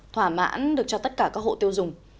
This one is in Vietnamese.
thỏa mãn được cho tất cả các hộ tiêu dùng